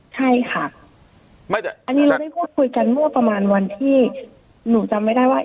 ใช่ค่ะอันนี้เราได้พูดคุยกันเมื่อประมาณวันที่หนูจำไม่ได้ว่า